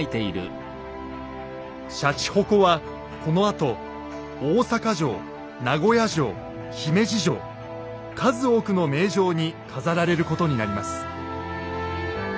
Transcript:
しゃちほこはこのあと大坂城名古屋城姫路城数多くの名城に飾られることになります。